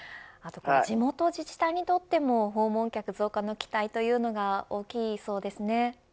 地元自治体にとっても訪問客増加の期待というのが大きいそうですね。